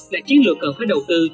là chiến lược cần phải đầu tư